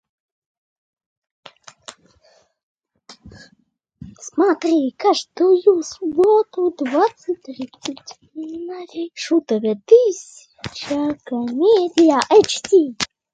Больше медлить нельзя.